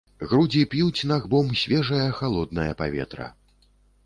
Грудзі п'юць набгом свежае, халоднае паветра.